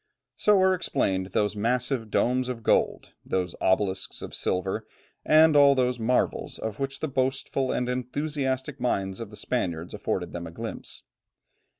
So are explained those massive domes of gold, those obelisks of silver, and all those marvels of which the boastful and enthusiastic minds of the Spaniards afforded them a glimpse.